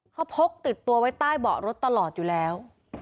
เขาพกติดตัวไว้ใต้เบาะรถตลอดอยู่แล้ว